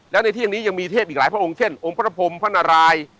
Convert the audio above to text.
และในเที่ยงนี้ยังมีเทพอีกหลายพระองค์เช่นองค์พระพรมพระนาราย